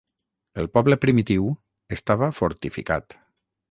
El poble primitiu estava fortificat.